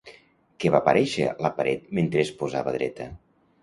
Què va aparèixer a la paret mentre es posava dreta?